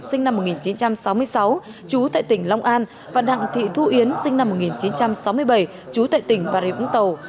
sinh năm một nghìn chín trăm sáu mươi sáu trú tại tỉnh long an và đặng thị thu yến sinh năm một nghìn chín trăm sáu mươi bảy trú tại tỉnh bà rịa vũng tàu